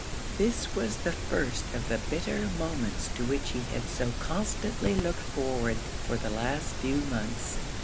This was the first of the bitter moments to which he had so constantly looked forward for the last few months.